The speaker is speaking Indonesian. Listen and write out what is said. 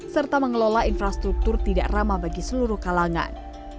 serta mengelola infrastruktur tidak ramah bagi seluruh kalangan